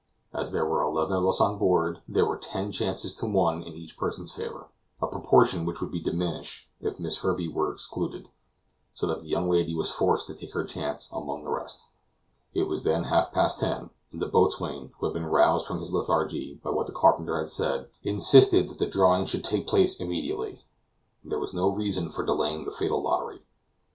As there were eleven of us on board, there were ten chances to one in each one's favor a proportion which would be diminished if Miss Herbey were excluded; so that the young lady was forced to take her chance among the rest. It was then half past ten, and the boatswain, who had been roused from his lethargy by what the carpenter had said, insisted that the drawing should take place immediately. There was no reason for delaying the fatal lottery.